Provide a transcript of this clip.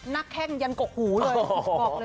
นักแข้งยันกกหูเลย